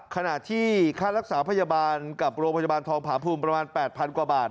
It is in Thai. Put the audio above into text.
ขณะที่ค่ารักษาพยาบาลกับโรงพยาบาลทองผาภูมิประมาณ๘๐๐กว่าบาท